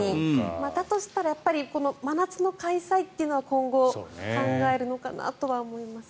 だとしたら真夏の開催というのは今後、考えるのかなとは思いますね。